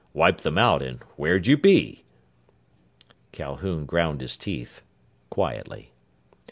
Wipe them out, and where'd you be?" Calhoun ground his teeth quietly.